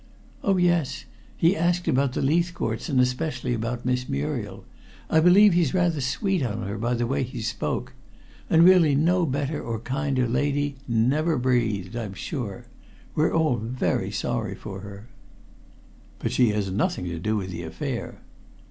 "Oh, yes. He asked about the Leithcourts, and especially about Miss Muriel. I believe he's rather sweet on her, by the way he spoke. And really no better or kinder lady never breathed, I'm sure. We're all very sorry indeed for her." "But she had nothing to do with the affair."